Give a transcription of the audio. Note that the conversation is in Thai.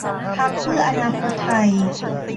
พรรคเพื่ออนาคตไทย